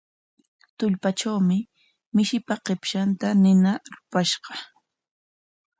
Tullpatrawmi mishipa qipshanta nina rupashqa.